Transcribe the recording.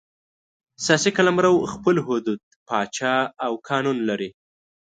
سیاسي قلمرو خپل حدود، پاچا او قانون لري.